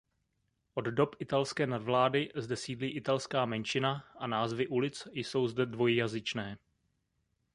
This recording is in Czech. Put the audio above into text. Od dob italské nadvlády zde sídlí italská menšina a názvy ulic jsou zde dvojjazyčné.